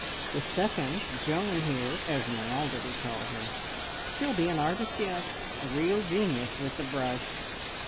The second, Joan here Esmeralda, we call her. She'll be an artist yet! A real genius with the brush."